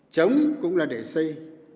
chống cũng là để xây